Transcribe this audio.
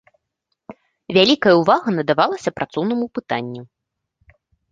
Вялікая ўвага надавалася працоўнаму пытанню.